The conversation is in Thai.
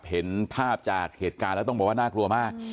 เห็นภาพจากเหตุการณ์แล้วต้องบอกว่าน่ากลัวมาก